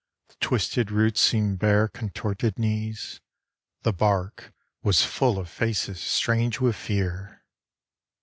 The twisted roots seemed bare contorted knees. The bark was full of faces strange with fear.